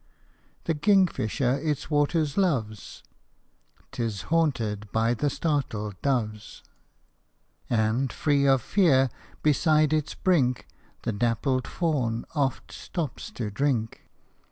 The kingfisher its waters loves ; T is haunted by the startled doves ; 74 HOP O MY THUMB. And, free of fear, beside its brink The dappled fawn oft stops to drink.